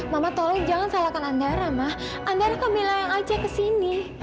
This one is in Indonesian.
ma mama tolong jangan salahkan andara ma andara kamila yang ajak ke sini